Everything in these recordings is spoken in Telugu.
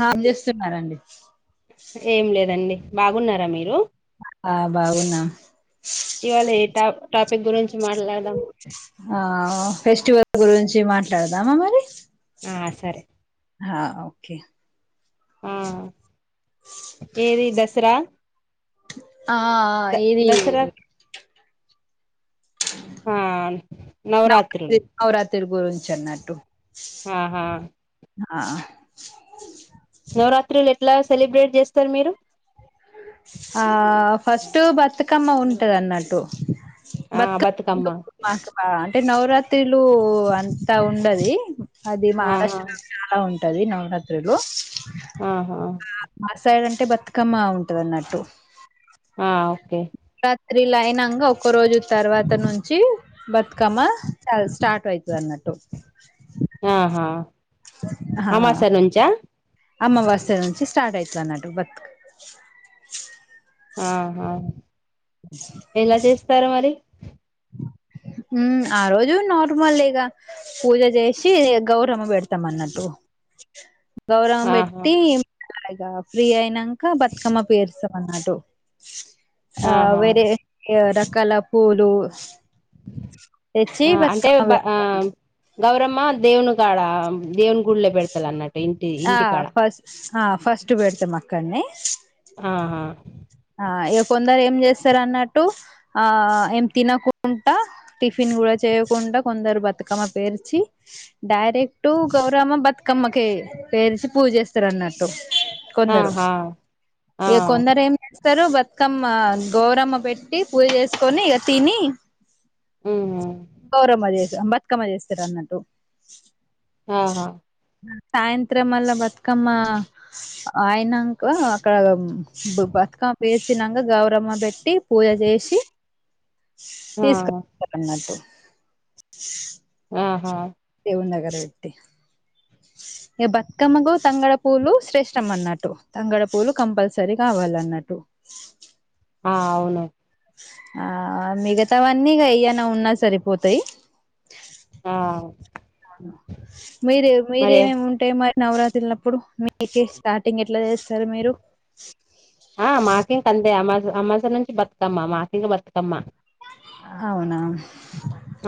హమ్ చేస్తున్నారండి ఏం లేదండి బాగున్నారా మీరు ఆ బాగున్నాం ఇవాళ ఏ టాప్ ఆ ఫెస్టివల్ గురించి మాట్లాడదామా మరి ఆ సరే హ ఓకే ఆ ఏది దసరా ఆ ద ఇది దసరా ఆ నవరాత్రులు గురుంచన్నట్టు ఆహా ఆ నవరాత్రులు ఎట్లా సెలబ్రేట్ చేస్తారు మీరు ఆ ఫస్ట్ బతుకమ్మ ఉంటది అన్నట్టు ఆ బతుక్క బతుకమ్మ మాకు అంటే నవరాత్రిలు అంతా ఉండది అది ఆహా మహారాష్ట్ర లో చాలా ఉంట ది నవరాత్రులు ఆహా మా సైడ్ అంటే బతుకమ్మ ఉంటది అన్నట్టు ఆ ఓకే త్రీలైనంగా ఒకక్క రోజు తర్వాత నుంచి బతుకమ్మ స్టార్ట్ అవుతుంది అన్నట్టు ఆహా ఆ అమాస నుంచా అమావాస్య నుంచి స్టార్ట్ అయితది అన్నాట్టు బతుక్ ఆహా ఎలా చేస్తారు మరి ఉ ఆ రోజు నార్మల్ ఇగ పూజ చేసి గౌరవమ్మ పెడతాం అన్నట్టు గౌరవమ్మ ఆహా పెట్టి అలాగా ఫ్రీ అయినాక బతుకమ్మ పేరుస్తాం అన్నాటు ఆ ఆహా వేరే రకాల పూలు తెచ్చి ఆ అంటే బతుకమ్మ పెడతాం ఆ గౌరమ్మ దేవునికాడ దేవుని గుళ్ళో పెడతారు అన్నట్టు ఇంటి ఆ ఇంటికాడ ఫస్ట్ ఆ ఫస్ట్ పెడతాం అక్కడన్నే ఆహా కొందరు ఏం చేస్తారు అన్నట్టు ఆ ఏం తినకుండా టిఫిన్ కూడా చే చేయకుండా కొందరు బతుకమ్మ పేర్చి డైరెక్ట్టు గౌరమ్మ బతుకమ్మకే పేర్చి పూజ చేస్తారు అన్నట్టు కొందరు ఆహా ఆ ఇక కొందరు ఏం వస్తారు బతుకమ్మ గోరమ్మ పెట్టి పూజ చేసుకొని ఇక తిని ఉహు గౌరమ్మ చే బతుకమ్మ చేస్తారు అన్నట్టు ఆహా సాయంత్రం మళ్ళ బతుకమ్మ ఆయనాక అక్కడ బతు క్క వేసినక గౌరమ్మ పెట్టి పూజ చేసి ఆ తీసుక పోతాము అన్నట్టు ఆహా దగ్గర వెట్టి ఇక బతుకమ్మకు తంగడ పూలు శ్రేష్టం అన్నట్టు తంగడ పూలు కంపల్సరీ కావాలన్నట్టు ఆ అవును ఆ మిగతావన్నీ ఏయనా ఉన్నా సరిపోతాయి. ఆ మీరే మరి మీరేమేమి ఉంటాయి మరి నవరాత్రిలు ఉన్నప్పుడు మీక స్టార్టింగ్ ఎట్లా చేస్తారు మీరు ఆ మాకింక అంతే అ అమాసా నుంచి బతుకమ్మ మాకింక బతుకమ్మ అవునా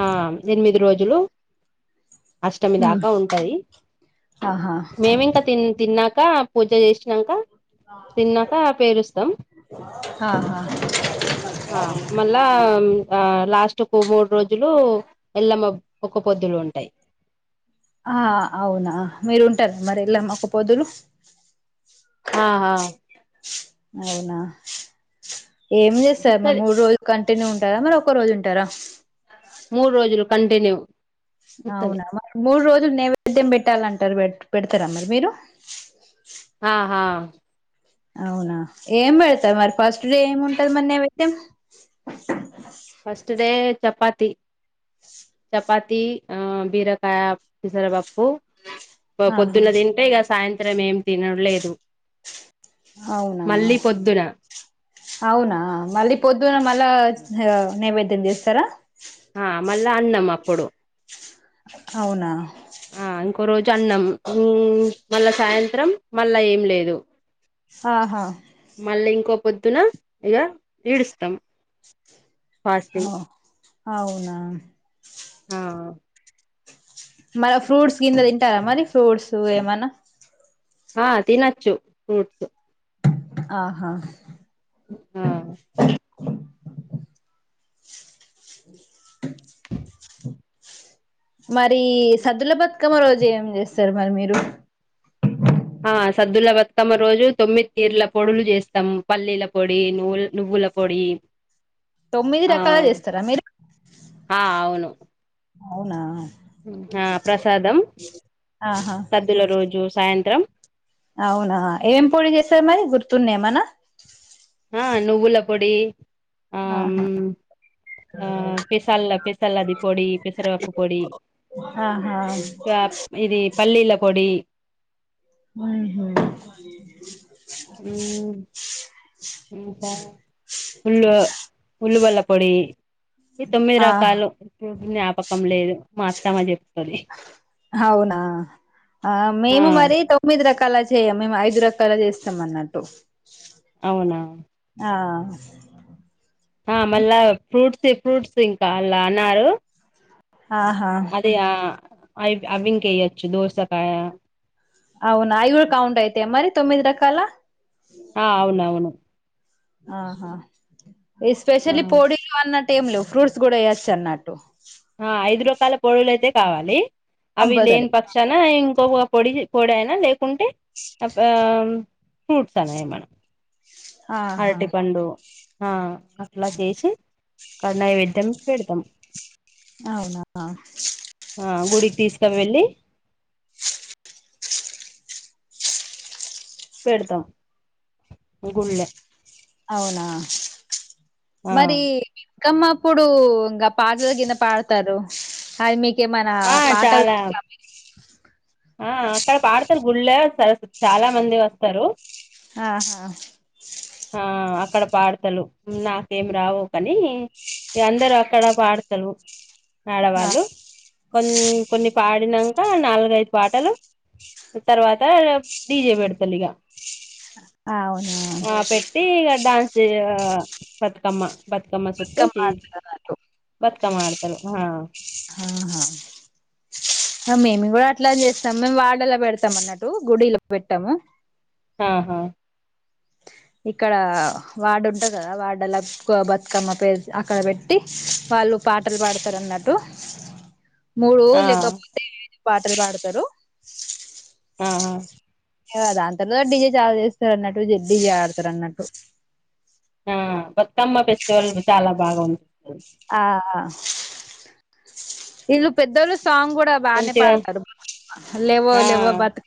ఆ ఎనిమిది రోజులు అష్టమి ఉమ్ దాకా ఉంటంది ఆహా మేమింకా తి తిన్నాక పూజ చేసినాక తిన్నాక పేరుస్తాం ఆహా మళ్ళా ఆ లాస్ట్ కు మూడు రోజులు ఎల్లమ్మ ఒక పొద్దులు ఉంటాయి ఆ అవునా మీరు ఉంటారా మరి ఎళ్ళమా ఒక్క పొద్దులు ఆ ఆ అవునా ఏం చేస్తారు మరి ఉత్తది మూడు రోజుల కంటి కంటిన్యూ గా ఉంటారా మరి ఒక్క రోజు ఉంటారా మూడు రోజులు కంటిన్యూ ఉత్తది అవునా మ మూడు రోజు నైవేద్యం పెట్టాలంటారు పెడతారా మరి మీరు ఆ ఆ అవునా ఏం పెడతారు మరి ఫస్ట్ డే ఏమి ఉంటది మరి నైవేద్యం ఫస్ట్ డే చపాతి చపాతి అ బిరకాయ పెసర పప్పు ఆహా పొద్దున్న తింటే ఇక సాయంత్రం ఏం తినడు లేదు అవునా అవునా మళ్ళీ పొద్దున్న మళ్ళా నైవేద్యం చేస్తారా ఆ మళ్ళ అన్నం అప్పుడు అవునా ఒక రోజు అన్నం మళ్ళా సాయంత్రం మళ్ళా ఏం లేదు ఆహా మళ్ళీ ఇంకో పొద్దున ఇక ఈడుస్తాం ఓ ఫాస్టింగ్ అవునా ఆ మరి ఫ్రూట్స్ గిట్ల తింటారా మరి ఫ్రూట్స్ ఏమన్నా హా తినాచ్చు ఫ్రూట్స్ ఆహా ఆ మరి సదుల బతుకమ్మ రోజు ఏం చేస్తారు మరి మీరు ఆ సద్దుల బతుకమ్మ రోజు తొమ్మిది తీరుల పొడులు చేస్తాం పల్లీల పొడి నువ్వు నువ్వు పల్లీల పొడి తొమ్మిది ఆ రకాలు చేస్తారా మీరు ఆ అవును అవునా ఆ ప్రసాదం ఆహా సద్దుల రోజు సాయంత్రం అవునా ఏం పొడి చేస్తరు మరి గుర్తునాదా ఏమన్న ఆ నువ్వుల పొడి ఆ ఆహా ఆ పెసల్ల పెసల్ అది పోడి పెసరవపు పోడి ఆహా ఇది పల్లీల పొడి ఉహు హ్మ్మ్ ఉల్ ఉల్లువల్ల పొడి ఈ తొమ్మిది ఆ రకాలు జ్ఞాపకం లేదు మా అత్తమ్మ చెప్తది అవునా ఆ మేము మరి తొమ్మిది రక రకాల చేయ్య మేము ఐదు రకాల చేస్తాం అన్నట్టు అవునా ఆ ఆ మళ్ళా ఫ్రూట్స్ ఫ్రూట్స్ ఇంకా అలా అన్నారు ఆహా అదయ అవి అవింకయొచ్చు దోశకాయ అవునా అవి కూడా అయితయ కౌంట్ అయితే మరి తొమ్మిది రకాల ఆ అవునవును ఆహా ఎస్పెషలీ ఆ పొడింమన్న టైం లో ఫ్రూట్స్ కూడా ఏయోచ్చన్నాట్టు ఆ ఐదు రకాల పొడులు అయితే కావాలి అవి లేని కంపల్సరీ పక్షాన ఇంకొక పొడి పొడి అయినా లేక్ కుంటే ఆ ఫ్రూట్స్ అన్న ఏమన్నా ఆహా అరటి పండు ఆ అట్లా చేసి క్కడ నైవేద్యం పెడతాం అవునా ఆ గుడికి తీసుక వెళ్ళి [inaudible] పెడుతాం గుళ్ళే అవునా ఆ మరి కమ్మ అప్పుడు గా పాటలు గిన పాడుతారు అది మీక్ కే మన ఆ పాటలు చాలా ఆ అక్కడ పాడతారు గుళ్ళ సర్ చాలా మంది వస్తారు ఆహా ఆ అక్కడ పాడతలు నాకేం రావు కాని ఇగ అందరు అక్కడ పాడతరు ఆడవాళ్ళు కొం కొన్ని పాడినంక నాలుగైదు పాటలు తర్వాత డీజే పెడతలిగ అవునా ఆ పెట్టి ఇగ డాన్స్ చేయ ఆ బతుకమ్మ బత్ తుకమ్మ చుట్టు బతుకమ్మ జే ఆడుతారు అన్నట్టు బతుకమ్మ ఆడతారు ఆ [inaudible] హ మేమి కూడా అట్లా చేస్తాం మేము వాడలా పెడతాం అన్నట్టు గుడిల పెట్టాము ఆహా ఇక్కడ వాడుంటది కదా వాడలా క్ బతుకమ్మ పే అక్కడ పెట్టి వాళ్ళు పాటలు పాడతారు అన్నట్టు [inaudible] మూడు ఆ లేకపోతే ఐదు పాటలు పాడుతారు ఆ ఆ ఇగ దాని తర్వాత డీజే చాల్ చేస్తారు అన్నట్టు డీజే ఆడతారు అన్నట్టు ఆ బతుకమ్మ ఫెస్టివల్ చాలా బాగా ఉంటుంది ఆ ఆ ఇల్లు పెద్దోల్లు సాంగ్ కూడా బానే మంచిగా పాడతారు లేవో ఆ లేవో బతు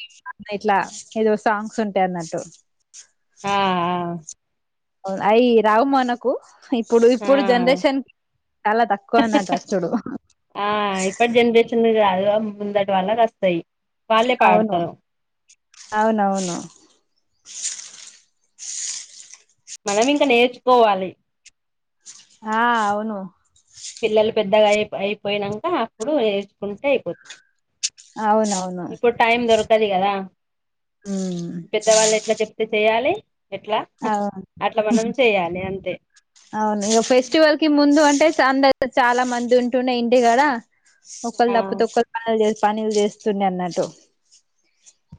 ఇట్లా ఏదో సాంగ్స్ ఉంటాయి అన్నట్టు ఆ ఆ అయ్ రావు మనకు ఇప్పుడు ఆ ఇప్పుడు జనరేషన్ కి చాలా తక్కువనట ఒచ్చుడు ఆ ఇప్పుటి జనరేషన్ కాదు ముందటి వాళ్ళకస్తాయి వాళ్ళే అవును పాడతారు అవునవును మనం ఇంకా నేర్చుకోవాలి ఆ అవును పిల్లలు పెద్దగా అయి అయిపోయినంక అప్పుడు నేర్చుకుంటే అయిపోత్ అవునవును ఇప్పుడు టైం దొరకది కదా పెద్దవాళ్ళు ఎట్లా చెప్తే చెయాలి ఎట్లా అవును అట్లా మనం చెయాలి అంతే అవును ఇగ ఫెస్టివల్ కి ముందు అంటే చ అందరు చాలా మంది ఉంటుండే ఇంటి కాడ ఒకల్ ఆ తప్పుతె ఒకల్ కల్ చేస్ పనులు చేస్తుండే అన్నట్టు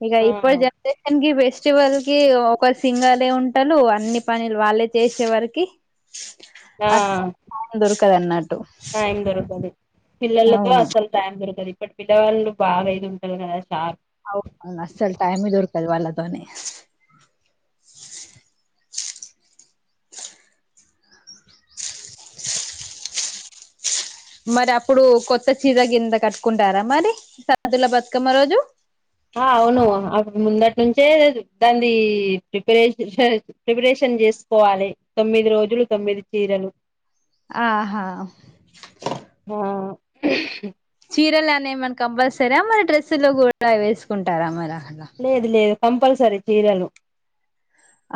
ఇగ ఆ ఇప్పటి జనరేషన్ కి బెస్ స్టివల్ కి ఒకల్ సింగిలే ఉంటరు అన్ని పనులు వాళ్ళే చేసే వరకి ఆ అసల్ టైం దొరక అన్న టైం దొరకదు పిల్లలతో అవును అసలు టైం దొరకది ఇప్పుడు పిల్లవాళ్ళు బాగాయిదు ఉంటారు కదా షార్ప్ అవును అసలు టైమ్ ఎ దొరుకదు వాళ్ళ తోని మరి అప్పుడు కొత్త చీర కింద కట్టుకుంటారా మరి సదుల బతుకమ్మ రోజు ఆ అవును అడ్ ముందటి నుంచే దాంది ప్రిపరేష ప్రిపరేషన్ చేసుకోవాలి తొమి మ్మిది రోజులు తొమ్మిది చీరలు ఆహా ఆ చిరలు అని ఏమన్న కంపల్సరీ అ మరి డ్రెస్సు లో కూడా వేసుకుంటారా మర లేదు లేదు కంపల్సరీ చీరలు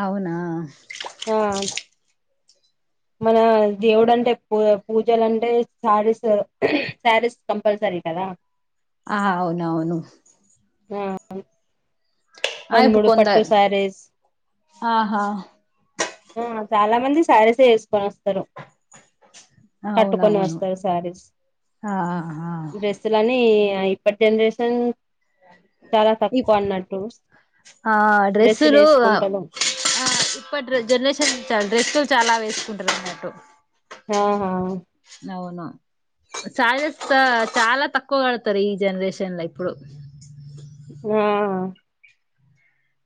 అవునా ఆ మన దేవుడు అంటే పూ పూజలు అంటే శారీస్ శారీస్ కంపల్స రి కదా ఆహ అవునువును ఆ రెండు ఇప్పుడు మూడు పట్టు కొందరు శారీస్ ఆహా ఆ చాలా మంది శారీస్ ఎ వేసుకొని వస్తారు కట్టుకొని అవునవును వస్తారు శారీస్ ఆహా డ్రెస్సులని ఇప్పటి జనరేషన్ చాలా ఇప్ తక్కువ అన్నట్టు ఆ డ్రెస్సులు ఆ ఇప్ప జనరేషన్ చాల డ్రెస్ స్తులు చాలా వేసుకుంటారు అన్నట్టు ఆహా అవును శారీసు చాలా తక్కువ కడతారు ఈ జనరేషన్ లో ఇప్పుడు ఆ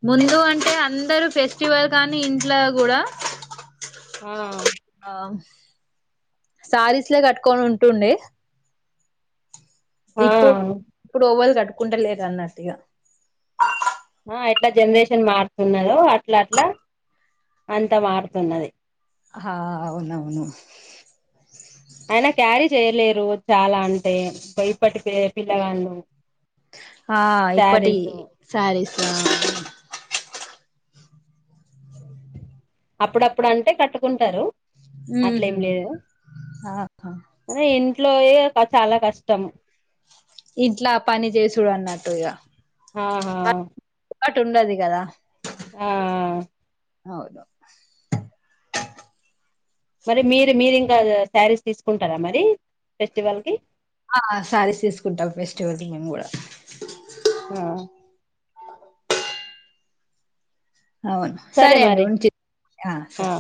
ముందు అంటే అందరు ఫెస్టివల్ కానీ ఇంట్లో కూడా ఆ ఆ శారీస్లే కట్టుకొని ఉంటుండే ఆ ఇప్పుడు ఇప్పుడు ఓవలు కట్టుకుంటలేద అన్నట్టు ఇగ ఎట్లా జనరేషన్ మారుతున్నదో అట్లా అట్లా అంతా మారుతున్నది హ అవునువును అయినా క్యారీ చేయలేరు చాలా అంటే బయప్పటి పిల్లగాన్లు ఆ ఇప్పటి శారీస్ ఆ అప్పుడప్పుడు అంటే కట్టుకుంటారు అట్లా ఏం ఉహు లేదు ఆహా అరే ఇంట్లో ఇట్లోయే క చాలా కష్టం ఇంట్లా పని చేసుడు అన్నట్టు ఇగ ఆహా బట్ ఉండది కదా ఆ ఆ అవును మరి మీరు మీరి ఇంకా శారీస్ తీసుకుంటారా మరి ఫెస్టివల్ కి ఆ సారీస్ తీసుకుంటాం ఫెస్టివల్ కి మేము కూడా ఆ అవును సరే మరి ఆ సరే